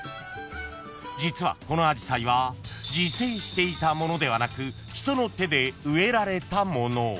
［実はこのアジサイは自生していたものではなく人の手で植えられたもの］